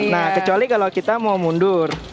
nah kecuali kalau kita mau mundur